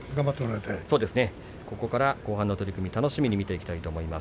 ここから後半の取組楽しみに見ていきたいと思います。